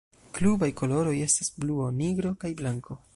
Klubaj koloroj estas bluo, nigro kaj blanko.